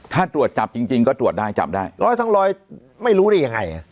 ถ้าตรวจจับจริงก็ตรวจได้จับได้ร้อยทั้งร้อยไม่รู้ได้ยังไง